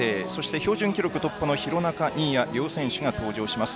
標準記録突破の廣中、新谷選手が登場します。